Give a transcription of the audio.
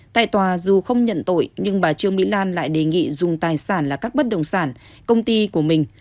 tại tòa dù không nhận tội nhưng bà trương mỹ lan lại đề nghị dùng tài sản là các bất động sản công ty của mình